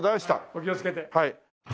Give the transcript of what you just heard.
お気をつけて。